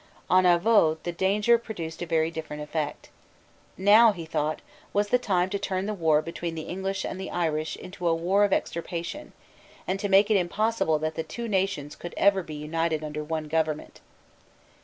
On Avaux the danger produced a very different effect. Now, he thought, was the time to turn the war between the English and the Irish into a war of extirpation, and to make it impossible that the two nations could ever be united under one government.